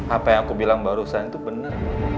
apa yang aku bilang barusan itu benar